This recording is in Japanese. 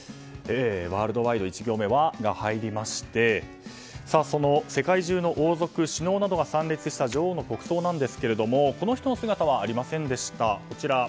ワールドワイド、１行目は「ワ」が入りましてその世界中の王族首脳などが参列した女王の国葬なんですがこの人の姿はありませんでした。